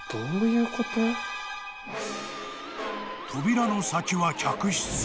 ［扉の先は客室］